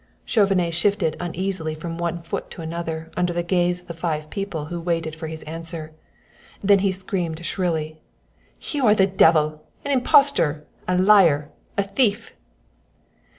Chauvenet shifted uneasily from one foot to another under the gaze of the five people who waited for his answer; then he screamed shrilly: "You are the devil an impostor, a liar, a thief!"